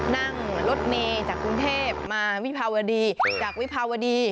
นั่งรถเมย์จากกรุงเทพมาวิภาวดีจากวิภาวดี